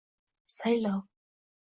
Saylov?